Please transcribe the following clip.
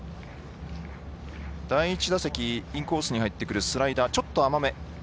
第１打席インコースに入ってくるスライダー、ちょっと甘め。